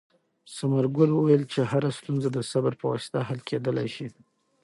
ثمرګل وویل چې هره ستونزه د صبر په واسطه حل کېدلای شي.